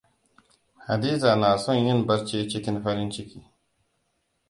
Hadiza na son yin barci cikin farin ciki.